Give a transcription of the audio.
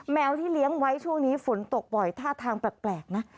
แมวที่เลี้ยงไว้ช่วงนี้ฝนตกบ่อยท่าทางแปลกนะ